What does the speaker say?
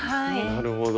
なるほど。